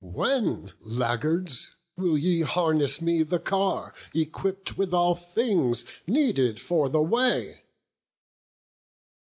When, laggards, will ye harness me the car Equipp'd with all things needed for the way?"